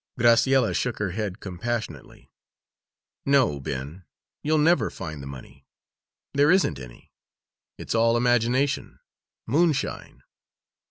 Graciella shook her head compassionately. "No, Ben, you'll never find the money. There isn't any; it's all imagination moonshine.